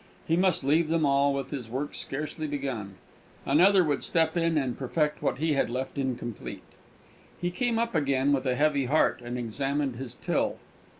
He must leave them all, with his work scarcely begun! Another would step in and perfect what he had left incomplete! He came up again, with a heavy heart, and examined his till.